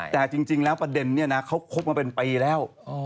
แต่จริงแล้วประเด็นนี้นะเขาคบมาเป็นปีแล้ว